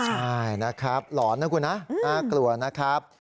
ใช่นะครับหลอนนะคุณนะน่ากลัวนะครับ